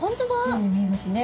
ように見えますね。